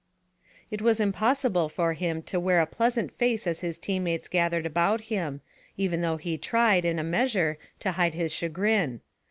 It was impossible for him to wear a pleasant face as his teammates gathered about him, even though he tried, in a measure, to hide his chagrin.